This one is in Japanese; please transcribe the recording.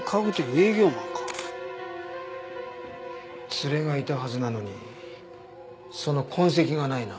連れがいたはずなのにその痕跡がないな。